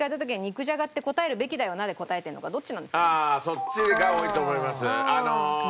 そっちが多いと思います。